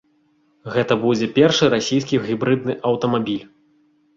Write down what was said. Гэта будзе першы расійскі гібрыдны аўтамабіль.